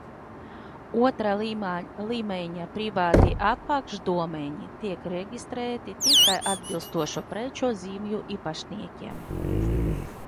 Otrā līmeņa privāti apakšdomēni tiek reģistrēti tikai atbilstošo preču zīmju īpašniekiem.